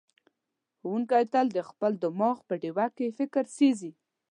ښوونکی تل د خپل دماغ په ډیوه کې فکر سېځي.